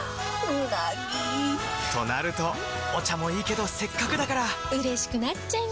うなぎ！となるとお茶もいいけどせっかくだからうれしくなっちゃいますか！